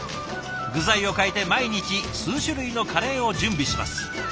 具材を変えて毎日数種類のカレーを準備します。